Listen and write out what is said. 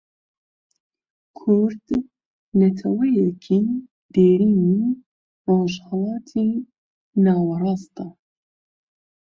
کورد نەتەوەیەکی دێرینی ڕۆژهەڵاتی ناوەڕاستە